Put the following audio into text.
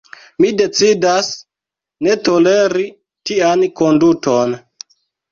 Mi decidas, ne toleri tian konduton.